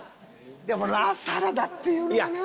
でもなサラダっていうのもな！